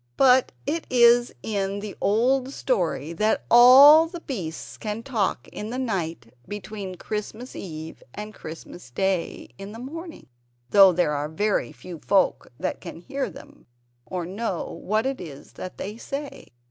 But it is in the old story that all the beasts can talk in the night between Christmas Eve and Christmas Day in the morning (though there are very few folk that can hear them, or know what it is that they say).